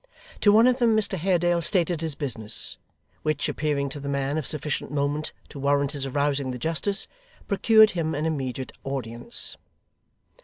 To one of them Mr Haredale stated his business, which appearing to the man of sufficient moment to warrant his arousing the justice, procured him an immediate audience.